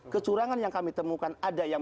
kecurangan yang kami temukan ada yang